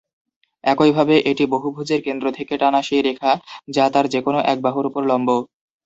একইভাবে এটি বহুভুজের কেন্দ্র থেকে টানা সেই রেখা যা তার যেকোন এক বাহুর উপর লম্ব।